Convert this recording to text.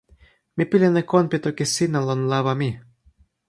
mi pilin e kon pi toki sina lon lawa mi.